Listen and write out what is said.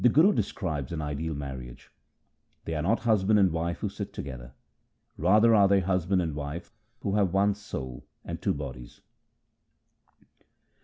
The Guru describes an ideal marriage :— They are not husband and wife who sit together : Rather are they husband and wife who have one soul and two bodies.